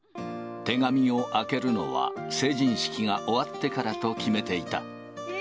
手紙を開けるのは成人式が終わってからと決めていた。